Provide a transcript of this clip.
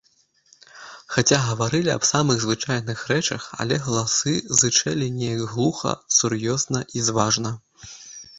Хаця гаварылі аб самых звычайных рэчах, але галасы зычэлі неяк глуха, сур'ёзна і зважна.